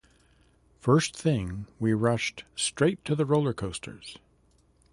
First thing, we rushed straight to the roller coasters.